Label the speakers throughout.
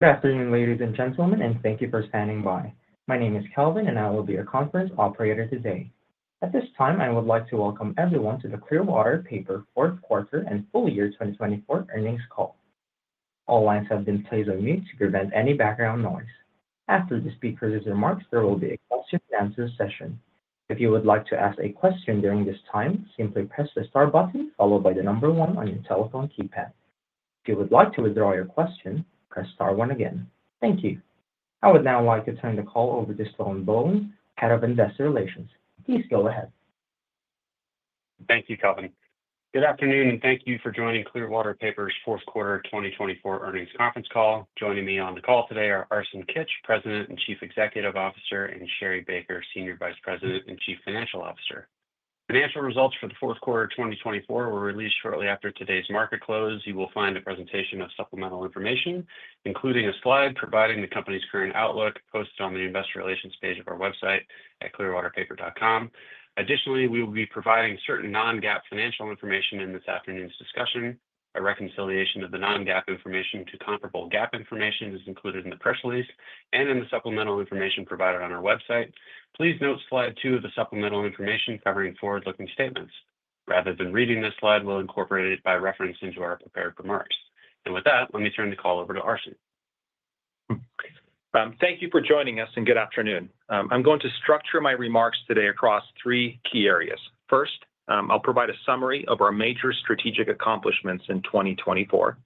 Speaker 1: Good afternoon, ladies and gentlemen, and thank you for standing by. My name is Kelvin, and I will be your conference operator today. At this time, I would like to welcome everyone to the Clearwater Paper Fourth Quarter and Full Year 2024 Earnings Call. All lines have been placed on mute to prevent any background noise. After the speaker's remarks, there will be a question-and-answer session. If you would like to ask a question during this time, simply press the star button followed by the number one on your telephone keypad. If you would like to withdraw your question, press star one again. Thank you. I would now like to turn the call over to Sloan Bohlen, Head of Investor Relations. Please go ahead.
Speaker 2: Thank you, Kelvin. Good afternoon, and thank you for joining Clearwater Paper's Fourth Quarter 2024 Earnings Conference Call. Joining me on the call today are Arsen Kitch, President and Chief Executive Officer, and Sherri Baker, Senior Vice President and Chief Financial Officer. Financial results for the Fourth Quarter 2024 were released shortly after today's market close. You will find a presentation of supplemental information, including a slide providing the company's current outlook, posted on the Investor Relations page of our website at clearwaterpaper.com. Additionally, we will be providing certain non-GAAP financial information in this afternoon's discussion. A reconciliation of the non-GAAP information to comparable GAAP information is included in the press release and in the supplemental information provided on our website. Please note slide two of the supplemental information covering forward-looking statements. Rather than reading this slide, we'll incorporate it by reference into our prepared remarks. With that, let me turn the call over to Arsen.
Speaker 3: Thank you for joining us, and good afternoon. I'm going to structure my remarks today across three key areas. First, I'll provide a summary of our major strategic accomplishments in 2024.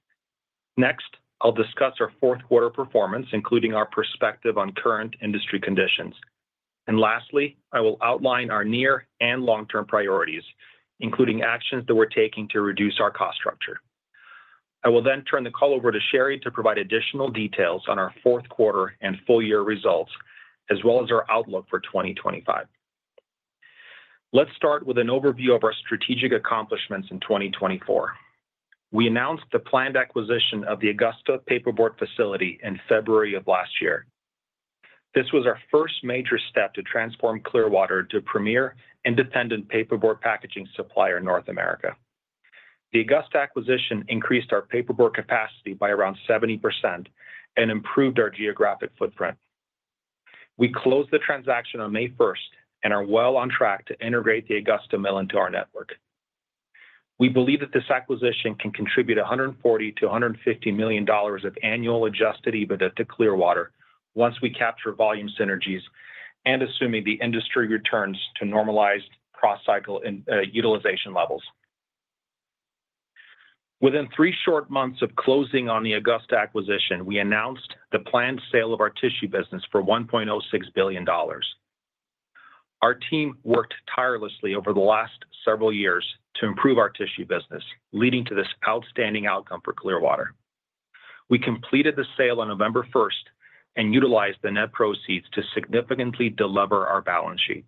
Speaker 3: Next, I'll discuss our fourth-quarter performance, including our perspective on current industry conditions. And lastly, I will outline our near and long-term priorities, including actions that we're taking to reduce our cost structure. I will then turn the call over to Sherri to provide additional details on our fourth quarter and full-year results, as well as our outlook for 2025. Let's start with an overview of our strategic accomplishments in 2024. We announced the planned acquisition of the Augusta paperboard facility in February of last year. This was our first major step to transform Clearwater to a premier independent paperboard packaging supplier in North America. The Augusta acquisition increased our paperboard capacity by around 70% and improved our geographic footprint. We closed the transaction on May 1st and are well on track to integrate the Augusta mill into our network. We believe that this acquisition can contribute $140 million to $150 million of annual Adjusted EBITDA to Clearwater once we capture volume synergies and assume the industry returns to normalized cross-cycle utilization levels. Within three short months of closing on the Augusta acquisition, we announced the planned sale of our tissue business for $1.06 billion. Our team worked tirelessly over the last several years to improve our tissue business, leading to this outstanding outcome for Clearwater. We completed the sale on November 1st and utilized the net proceeds to significantly delever our balance sheet.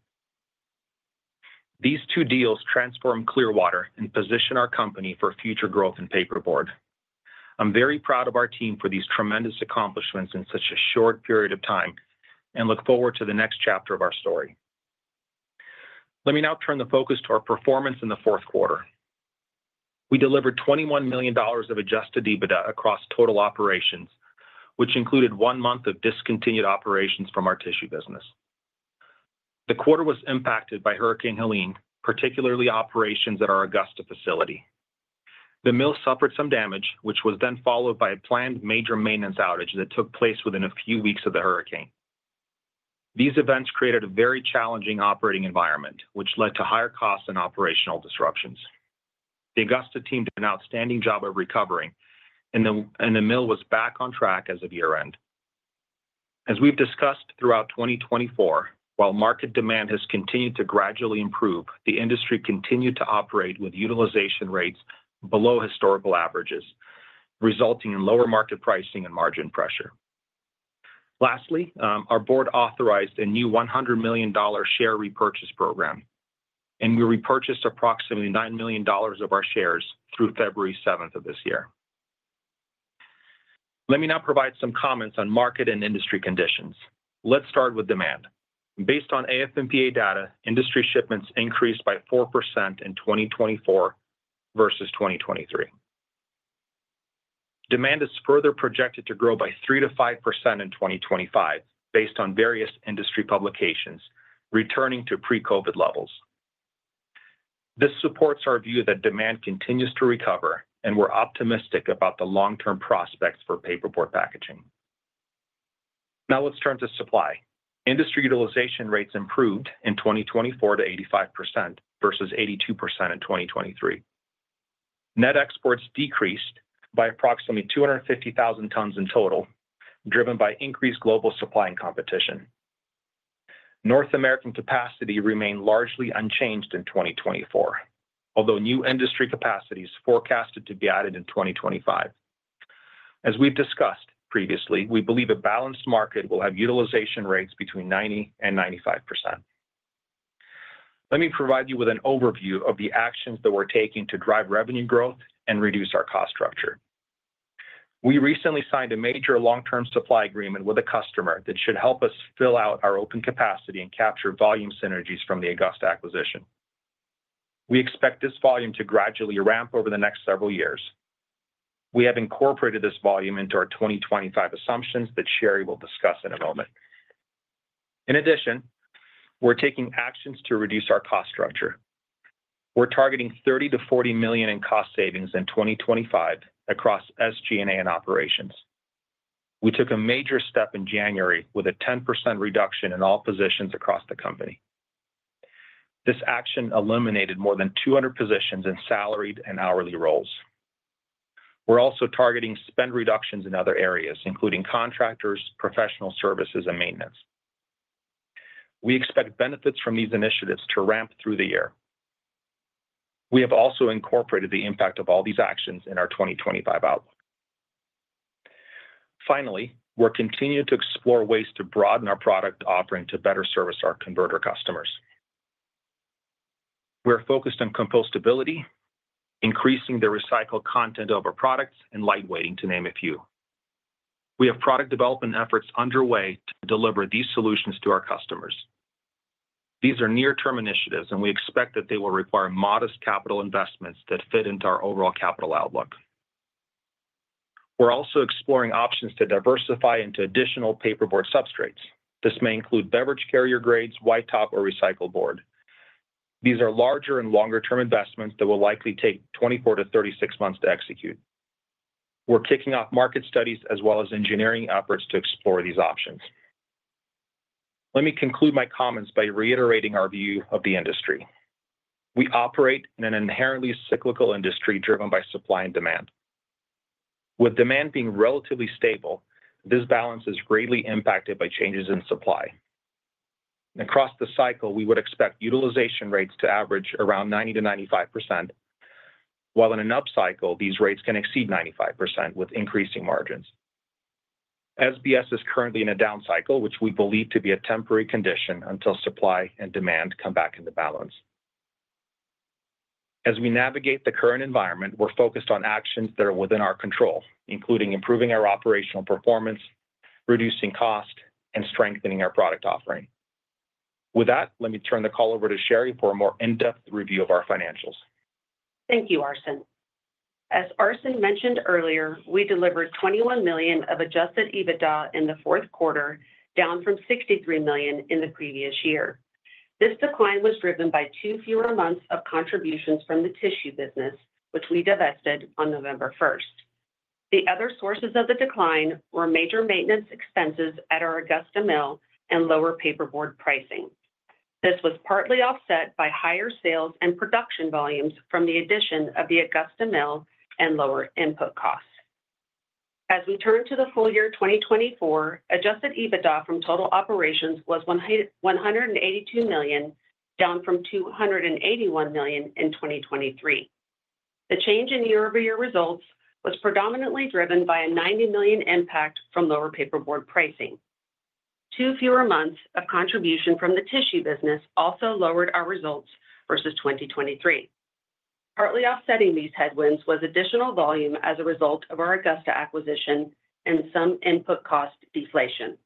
Speaker 3: These two deals transform Clearwater and position our company for future growth in paperboard. I'm very proud of our team for these tremendous accomplishments in such a short period of time and look forward to the next chapter of our story. Let me now turn the focus to our performance in the fourth quarter. We delivered $21 million of Adjusted EBITDA across total operations, which included one month of discontinued operations from our tissue business. The quarter was impacted by Hurricane Helene, particularly operations at our Augusta facility. The mill suffered some damage, which was then followed by a planned major maintenance outage that took place within a few weeks of the hurricane. These events created a very challenging operating environment, which led to higher costs and operational disruptions. The Augusta team did an outstanding job of recovering, and the mill was back on track as of year-end. As we've discussed throughout 2024, while market demand has continued to gradually improve, the industry continued to operate with utilization rates below historical averages, resulting in lower market pricing and margin pressure. Lastly, our board authorized a new $100 million share repurchase program, and we repurchased approximately $9 million of our shares through February 7th of this year. Let me now provide some comments on market and industry conditions. Let's start with demand. Based on AF&PA data, industry shipments increased by 4% in 2024 versus 2023. Demand is further projected to grow by 3%-5% in 2025, based on various industry publications, returning to pre-COVID levels. This supports our view that demand continues to recover, and we're optimistic about the long-term prospects for paperboard packaging. Now, let's turn to supply. Industry utilization rates improved in 2024 to 85% versus 82% in 2023. Net exports decreased by approximately 250,000 tons in total, driven by increased global supply and competition. North American capacity remained largely unchanged in 2024, although new industry capacity is forecasted to be added in 2025. As we've discussed previously, we believe a balanced market will have utilization rates between 90% and 95%. Let me provide you with an overview of the actions that we're taking to drive revenue growth and reduce our cost structure. We recently signed a major long-term supply agreement with a customer that should help us fill out our open capacity and capture volume synergies from the Augusta acquisition. We expect this volume to gradually ramp over the next several years. We have incorporated this volume into our 2025 assumptions that Sherri will discuss in a moment. In addition, we're taking actions to reduce our cost structure. We're targeting $30 million-$40 million in cost savings in 2025 across SG&A and operations. We took a major step in January with a 10% reduction in all positions across the company. This action eliminated more than 200 positions in salaried and hourly roles. We're also targeting spend reductions in other areas, including contractors, professional services, and maintenance. We expect benefits from these initiatives to ramp through the year. We have also incorporated the impact of all these actions in our 2025 outlook. Finally, we're continuing to explore ways to broaden our product offering to better service our converter customers. We're focused on compostability, increasing the recycled content of our products, and lightweighting, to name a few. We have product development efforts underway to deliver these solutions to our customers. These are near-term initiatives, and we expect that they will require modest capital investments that fit into our overall capital outlook. We're also exploring options to diversify into additional paperboard substrates. This may include beverage carrier grades, white top, or recycled board. These are larger and longer-term investments that will likely take 24 to 36 months to execute. We're kicking off market studies as well as engineering efforts to explore these options. Let me conclude my comments by reiterating our view of the industry. We operate in an inherently cyclical industry driven by supply and demand. With demand being relatively stable, this balance is greatly impacted by changes in supply. Across the cycle, we would expect utilization rates to average around 90%-95%, while in an upcycle, these rates can exceed 95% with increasing margins. SBS is currently in a downcycle, which we believe to be a temporary condition until supply and demand come back into balance. As we navigate the current environment, we're focused on actions that are within our control, including improving our operational performance, reducing cost, and strengthening our product offering. With that, let me turn the call over to Sherri for a more in-depth review of our financials.
Speaker 4: Thank you, Arsen. As Arsen mentioned earlier, we delivered $21 million of Adjusted EBITDA in the fourth quarter, down from $63 million in the previous year. This decline was driven by two fewer months of contributions from the tissue business, which we divested on November 1st. The other sources of the decline were major maintenance expenses at our Augusta mill and lower paperboard pricing. This was partly offset by higher sales and production volumes from the addition of the Augusta mill and lower input costs. As we turn to the full year 2024, Adjusted EBITDA from total operations was $182 million, down from $281 million in 2023. The change in year-over-year results was predominantly driven by a $90 million impact from lower paperboard pricing. Two fewer months of contribution from the tissue business also lowered our results versus 2023. Partly offsetting these headwinds was additional volume as a result of our Augusta acquisition and some input cost deflation.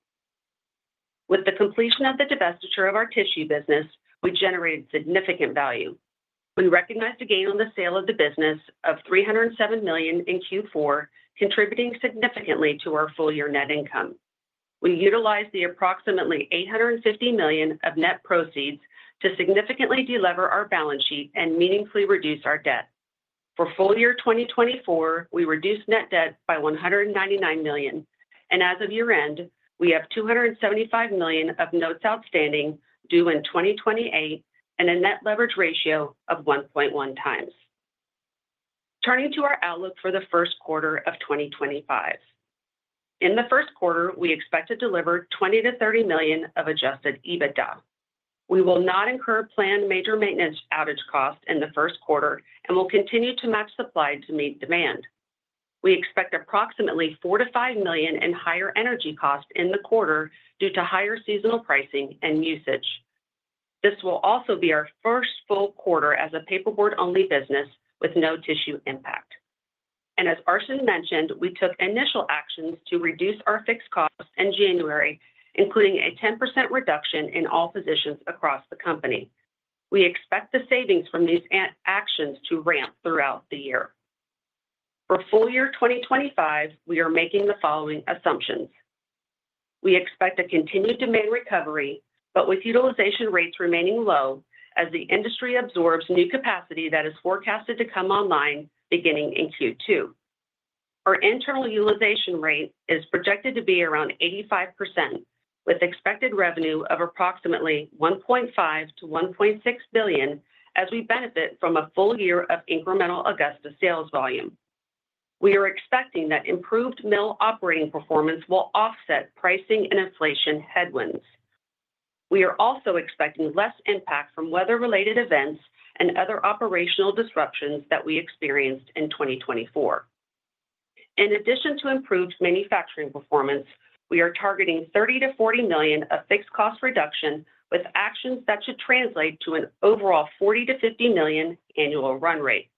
Speaker 4: With the completion of the divestiture of our tissue business, we generated significant value. We recognized a gain on the sale of the business of $307 million in Q4, contributing significantly to our full-year net income. We utilized the approximately $850 million of net proceeds to deleverage our balance sheet and meaningfully reduce our debt. For full year 2024, we reduced net debt by $199 million, and as of year-end, we have $275 million of notes outstanding due in 2028 and a net leverage ratio of 1.1 times. Turning to our outlook for the first quarter of 2025. In the first quarter, we expect to deliver $20 million-$30 million of Adjusted EBITDA. We will not incur planned major maintenance outage costs in the first quarter and will continue to match supply to meet demand. We expect approximately $4 million-$5 million in higher energy costs in the quarter due to higher seasonal pricing and usage. This will also be our first full quarter as a paperboard-only business with no tissue impact, and as Arsen mentioned, we took initial actions to reduce our fixed costs in January, including a 10% reduction in all positions across the company. We expect the savings from these actions to ramp throughout the year. For full year 2025, we are making the following assumptions. We expect a continued demand recovery, but with utilization rates remaining low as the industry absorbs new capacity that is forecasted to come online beginning in Q2. Our internal utilization rate is projected to be around 85%, with expected revenue of approximately $1.5 billion-$1.6 billion, as we benefit from a full year of incremental Augusta sales volume. We are expecting that improved mill operating performance will offset pricing and inflation headwinds. We are also expecting less impact from weather-related events and other operational disruptions that we experienced in 2024. In addition to improved manufacturing performance, we are targeting $30 million-$40 million of fixed cost reduction with actions that should translate to an overall $40 milllion-$50 million annual run rate.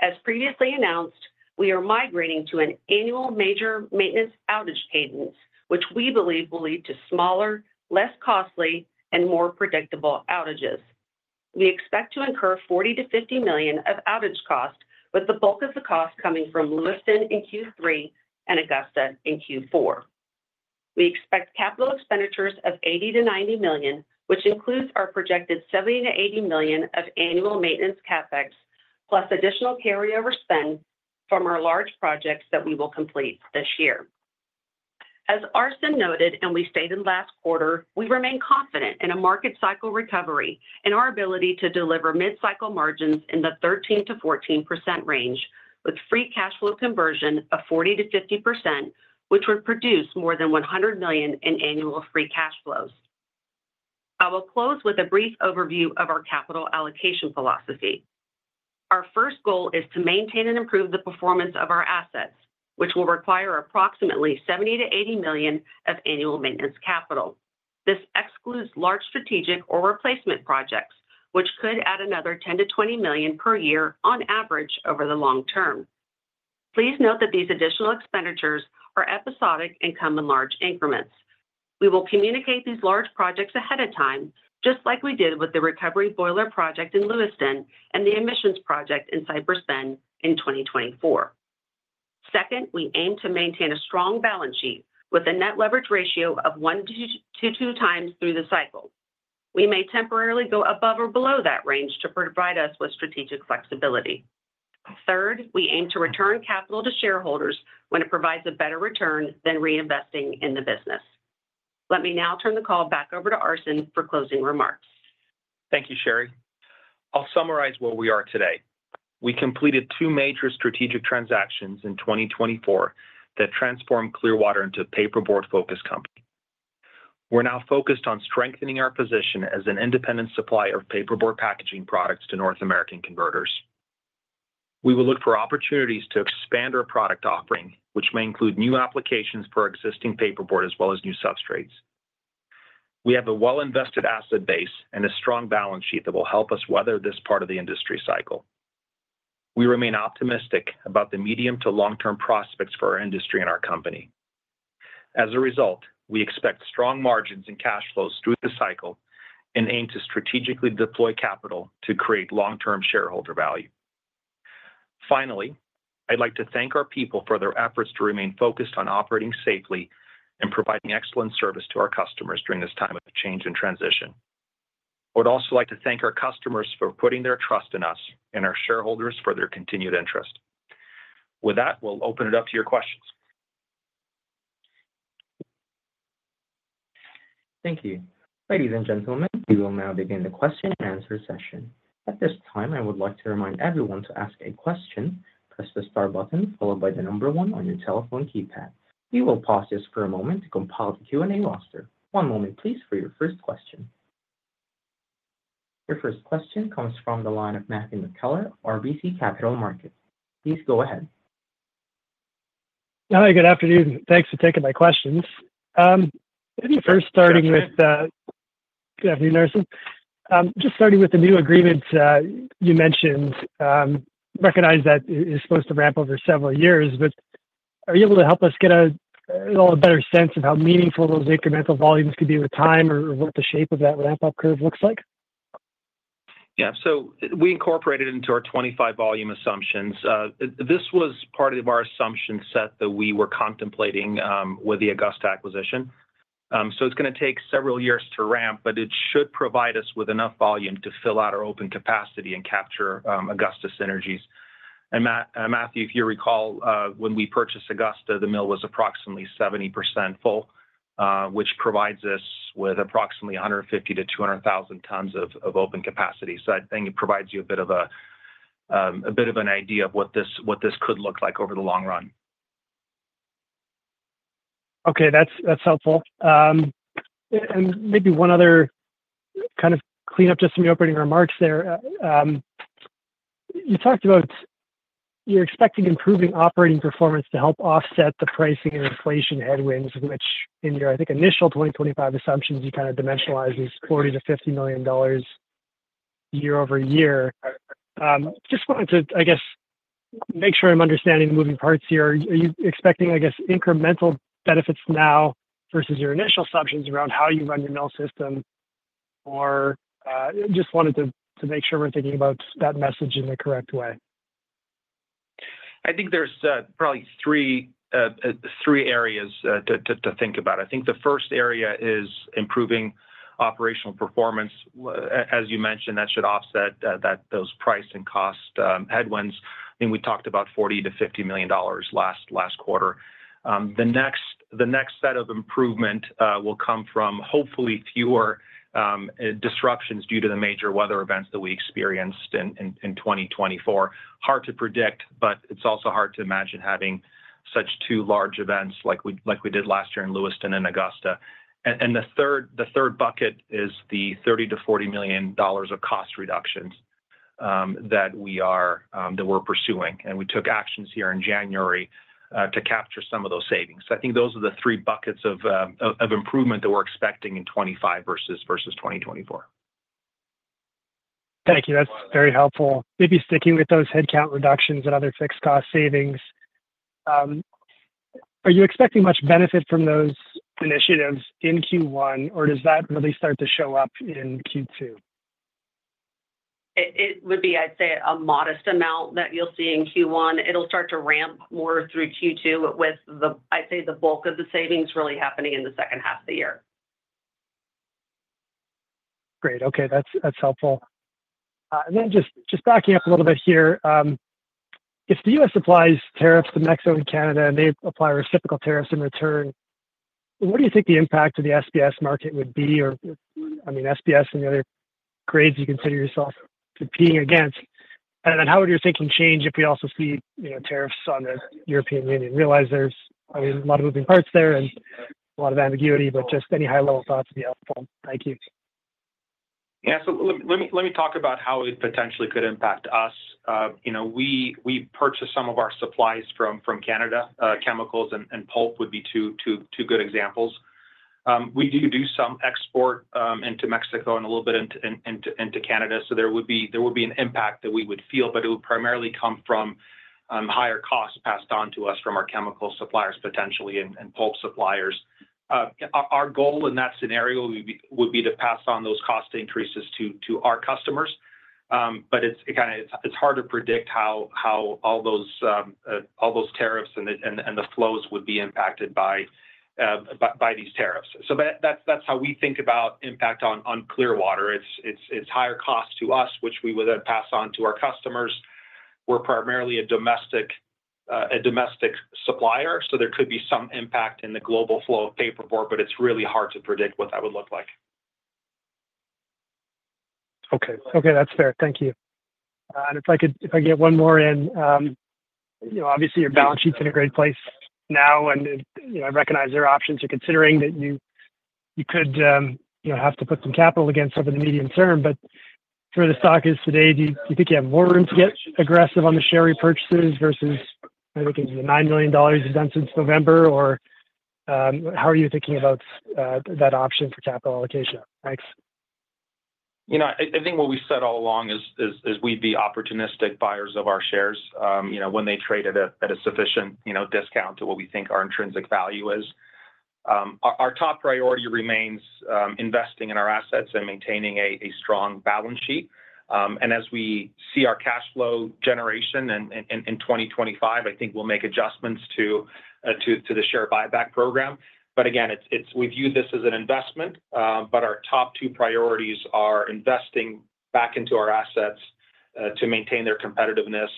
Speaker 4: As previously announced, we are migrating to an annual major maintenance outage cadence, which we believe will lead to smaller, less costly, and more predictable outages. We expect to incur $40 million-$50 million of outage costs, with the bulk of the cost coming from Lewiston in Q3 and Augusta in Q4. We expect capital expenditures of $80 million-$90 million, which includes our projected $70 million-$80 million of annual maintenance CapEx, plus additional carryover spend from our large projects that we will complete this year. As Arsen noted, and we stated last quarter, we remain confident in a market cycle recovery and our ability to deliver mid-cycle margins in the 13%-14% range, with free cash flow conversion of 40%-50%, which would produce more than $100 million in annual free cash flows. I will close with a brief overview of our capital allocation philosophy. Our first goal is to maintain and improve the performance of our assets, which will require approximately $70 million-$80 million of annual maintenance capital. This excludes large strategic or replacement projects, which could add another $10 million-$20 million per year on average over the long term. Please note that these additional expenditures are episodic and come in large increments. We will communicate these large projects ahead of time, just like we did with the recovery boiler project in Lewiston and the emissions project in Cypress Bend in 2024. Second, we aim to maintain a strong balance sheet with a net leverage ratio of 1-2x through the cycle. We may temporarily go above or below that range to provide us with strategic flexibility. Third, we aim to return capital to shareholders when it provides a better return than reinvesting in the business. Let me now turn the call back over to Arsen for closing remarks.
Speaker 3: Thank you, Sherri. I'll summarize where we are today. We completed two major strategic transactions in 2024 that transformed Clearwater into a paperboard-focused company. We're now focused on strengthening our position as an independent supplier of paperboard packaging products to North American converters. We will look for opportunities to expand our product offering, which may include new applications for existing paperboard as well as new substrates. We have a well-invested asset base and a strong balance sheet that will help us weather this part of the industry cycle. We remain optimistic about the medium to long-term prospects for our industry and our company. As a result, we expect strong margins and cash flows through the cycle and aim to strategically deploy capital to create long-term shareholder value. Finally, I'd like to thank our people for their efforts to remain focused on operating safely and providing excellent service to our customers during this time of change and transition. I would also like to thank our customers for putting their trust in us and our shareholders for their continued interest. With that, we'll open it up to your questions.
Speaker 1: Thank you. Ladies and gentlemen, we will now begin the question-and-answer session. At this time, I would like to remind everyone to ask a question, press the star button followed by the number one on your telephone keypad. We will pause this for a moment to compile the Q&A roster. One moment, please, for your first question. Your first question comes from the line of Matthew McKellar, RBC Capital Markets. Please go ahead.
Speaker 5: Hi, good afternoon. Thanks for taking my questions. Maybe first starting with. Good afternoon, Arsen. Just starting with the new agreements you mentioned, recognize that it is supposed to ramp over several years, but are you able to help us get a little better sense of how meaningful those incremental volumes could be with time or what the shape of that ramp-up curve looks like?
Speaker 3: Yeah, so we incorporated it into our 2025 volume assumptions. This was part of our assumption set that we were contemplating with the Augusta acquisition. It's going to take several years to ramp, but it should provide us with enough volume to fill out our open capacity and capture Augusta synergies. Matthew, if you recall, when we purchased Augusta, the mill was approximately 70% full, which provides us with approximately 150,000-200,000 tons of open capacity. I think it provides you a bit of an idea of what this could look like over the long run.
Speaker 5: Okay, that's helpful and maybe one other kind of cleanup, just some opening remarks there. You talked about you're expecting improving operating performance to help offset the pricing and inflation headwinds, which in your, I think, initial 2025 assumptions, you kind of dimensionalize as $40 million-$50 million year over year. Just wanted to, I guess, make sure I'm understanding moving parts here. Are you expecting, I guess, incremental benefits now versus your initial assumptions around how you run your mill system? Or just wanted to make sure we're thinking about that message in the correct way.
Speaker 3: I think there's probably three areas to think about. I think the first area is improving operational performance. As you mentioned, that should offset those price and cost headwinds. I mean, we talked about $40 million-$50 million last quarter. The next set of improvement will come from hopefully fewer disruptions due to the major weather events that we experienced in 2024. Hard to predict, but it's also hard to imagine having such two large events like we did last year in Lewiston and Augusta. And the third bucket is the $30 million-$40 million of cost reductions that we are pursuing. And we took actions here in January to capture some of those savings. So I think those are the three buckets of improvement that we're expecting in 2025 versus 2024.
Speaker 5: Thank you. That's very helpful. Maybe sticking with those headcount reductions and other fixed cost savings. Are you expecting much benefit from those initiatives in Q1, or does that really start to show up in Q2?
Speaker 4: It would be, I'd say, a modest amount that you'll see in Q1. It'll start to ramp more through Q2 with, I'd say, the bulk of the savings really happening in the second half of the year.
Speaker 5: Great. Okay, that's helpful. And then just backing up a little bit here. If the U.S. applies tariffs to Mexico and Canada and they apply reciprocal tariffs in return, what do you think the impact of the SBS market would be? Or, I mean, SBS and the other grades you consider yourself competing against. And then how would your thinking change if we also see tariffs on the European Union? Realize there's, I mean, a lot of moving parts there and a lot of ambiguity, but just any high-level thoughts would be helpful. Thank you.
Speaker 3: Yeah, so let me talk about how it potentially could impact us. We purchase some of our supplies from Canada. Chemicals and pulp would be two good examples. We do do some export into Mexico and a little bit into Canada. So there would be an impact that we would feel, but it would primarily come from higher costs passed on to us from our chemical suppliers, potentially, and pulp suppliers. Our goal in that scenario would be to pass on those cost increases to our customers. But it's kind of hard to predict how all those tariffs and the flows would be impacted by these tariffs. So that's how we think about impact on Clearwater. It's higher cost to us, which we would then pass on to our customers. We're primarily a domestic supplier, so there could be some impact in the global flow of paperboard, but it's really hard to predict what that would look like.
Speaker 5: Okay. Okay, that's fair. Thank you. And if I get one more in, obviously, your balance sheet's in a great place now, and I recognize there are options you're considering that you could have to put some capital against over the medium term. But for the stock is today, do you think you have more room to get aggressive on the share repurchases versus, I think, it's the $9 million you've done since November? Or how are you thinking about that option for capital allocation? Thanks.
Speaker 3: I think what we've said all along is we'd be opportunistic buyers of our shares when they trade at a sufficient discount to what we think our intrinsic value is. Our top priority remains investing in our assets and maintaining a strong balance sheet, and as we see our cash flow generation in 2025, I think we'll make adjustments to the share buyback program, but again, we view this as an investment, but our top two priorities are investing back into our assets to maintain their competitiveness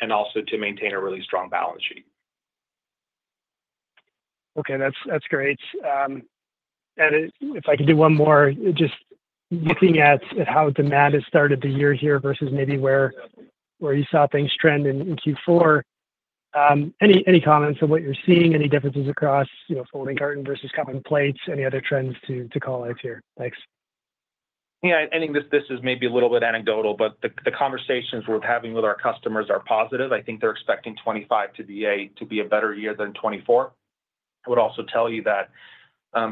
Speaker 3: and also to maintain a really strong balance sheet.
Speaker 5: Okay, that's great. And if I could do one more, just looking at how demand has started the year here versus maybe where you saw things trend in Q4. Any comments on what you're seeing? Any differences across folding carton versus cup and plates? Any other trends to call out here? Thanks.
Speaker 3: Yeah, I think this is maybe a little bit anecdotal, but the conversations we're having with our customers are positive. I think they're expecting 2025 to be a better year than 2024. I would also tell you that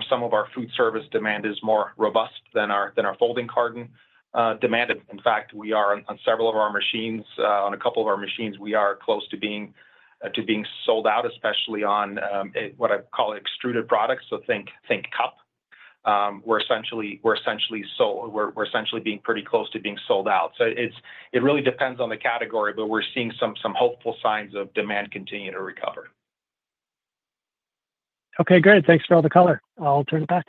Speaker 3: some of our food service demand is more robust than our folding carton demand. In fact, we are on several of our machines, on a couple of our machines, we are close to being sold out, especially on what I call extruded products. So think cup. We're essentially being pretty close to being sold out. So it really depends on the category, but we're seeing some hopeful signs of demand continuing to recover.
Speaker 5: Okay, great. Thanks for all the color. I'll turn it back.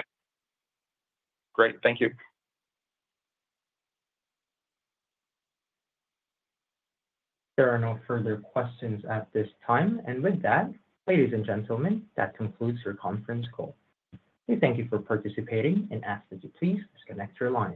Speaker 3: Great. Thank you.
Speaker 1: There are no further questions at this time. And with that, ladies and gentlemen, that concludes your conference call. We thank you for participating and ask that you please disconnect your line.